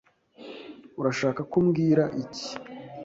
Urashaka ko mbwira iki?